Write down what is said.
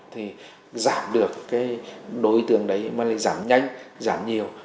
thì giảm được đối tượng đấy mà giảm nhanh giảm nhiều